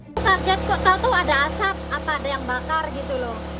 kita lihat kok tau tau ada asap apa ada yang bakar gitu loh